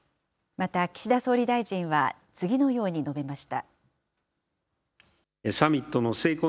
また岸田総理大臣は次のように述べました。